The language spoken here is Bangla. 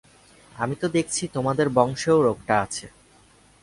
আমি তো দেখছি তোমাদের বংশে ও রোগটা আছে।